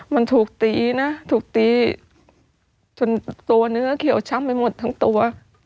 มันถูกตีนะถูกตีจนตัวเนื้อเขียวช้ำไปหมดทั้งตัว